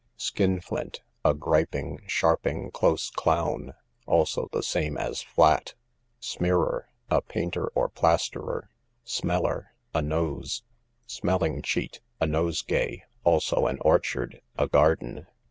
Skin flint, a griping, sharping, close clown; also, the same as flat. Smearer, a painter, or plasterer. Smeller, a nose. Smelling cheat, a nosegay; also an orchard, a garden.